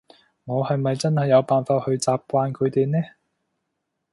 我係咪真係有辦法去習慣佢哋呢？